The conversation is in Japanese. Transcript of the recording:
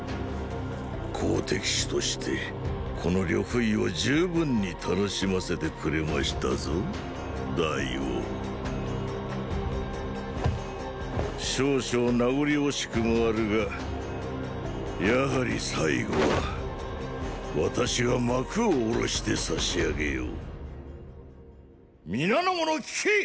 好敵手としてこの呂不韋を十分に楽しませてくれましたぞ大王ーー少々名残惜しくもあるがやはり最後は私が幕を降ろしてさし上げよう皆の者聞けィ！